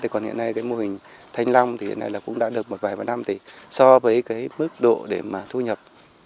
còn hiện nay mô hình thanh long cũng đã được một vài năm so với mức độ để thu nhập